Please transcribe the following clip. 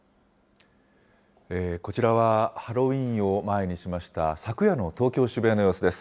こちらはハロウィーンを前にしました、昨夜の東京・渋谷の様子です。